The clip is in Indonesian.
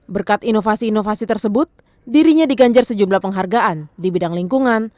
berkat inovasi inovasi tersebut dirinya diganjar sejumlah penghargaan di bidang lingkungan